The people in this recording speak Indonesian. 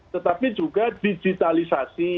tetapi juga digitalisasi